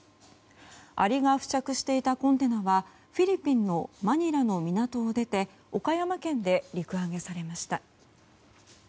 アリが付着していたコンテナはフィリピンのマニラの港を出て岡山県で陸揚げされました。